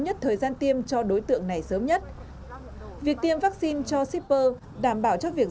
nhất thời gian tiêm cho đối tượng này sớm nhất việc tiêm vaccine cho shipper đảm bảo cho việc